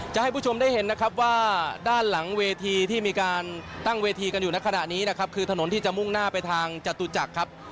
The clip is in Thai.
ให้ผู้ชมได้เห็นนะครับว่าด้านหลังเวทีที่มีการตั้งเวทีกันอยู่ในขณะนี้นะครับคือถนนที่จะมุ่งหน้าไปทางจตุจักรครับ